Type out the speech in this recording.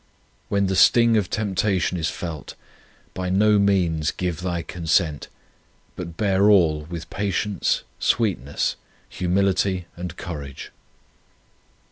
When the sting of temptation is felt, by no means give thy consent, but bear all with patience, sweet ness, humility, and courage.